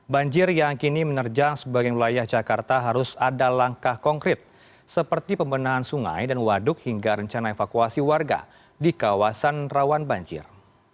banjir yang kini menerjang sebagai wilayah jakarta harus ada langkah konkret seperti pembenahan sungai dan waduk hingga rencana evakuasi warga di kawasan rawan banjir